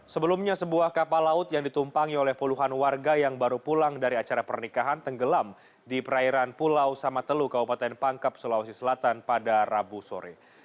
sebelumnya sebuah kapal laut yang ditumpangi oleh puluhan warga yang baru pulang dari acara pernikahan tenggelam di perairan pulau samatelu kabupaten pangkep sulawesi selatan pada rabu sore